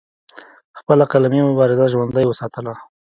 خپله قلمي مبارزه ژوندۍ اوساتله